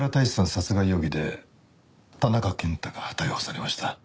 殺害容疑で田中健太が逮捕されました。